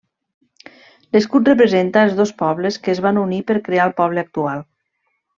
L'escut representa els dos pobles que es van unir per crear el poble actual.